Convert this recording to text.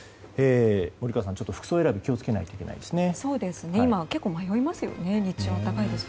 森川さん、服装選びに気を付けないとですね。